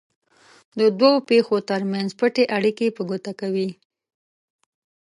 د دوو پېښو ترمنځ پټې اړیکې په ګوته کوي.